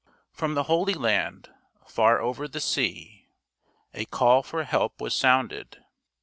From the Holy Land, far over the sea, a call for help was sounded.